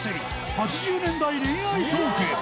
８０年代恋愛トークへ。